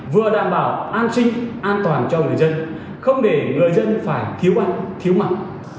vừa đảm bảo an sinh an toàn cho người dân không để người dân phải thiếu ăn thiếu mặc